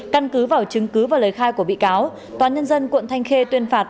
căn cứ vào chứng cứ và lời khai của bị cáo tòa nhân dân quận thanh khê tuyên phạt